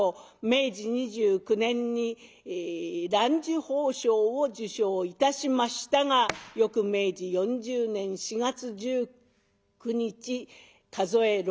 明治２９年に藍綬褒章を受章いたしましたが翌明治４０年４月１９日数